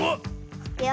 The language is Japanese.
いくよ。